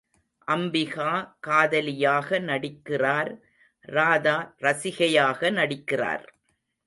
அம்பிகா காதலியாக நடிக்கிறார் ராதா ரசிகையாக நடிக்கிறார்.